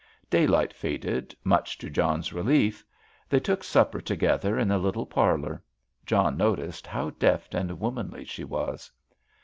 Daylight faded, much to John's relief. They took supper together in the little parlour; John noticed how deft and womanly she was.